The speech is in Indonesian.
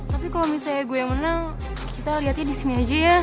tapi kalau misalnya gue yang menang kita liatnya disini aja ya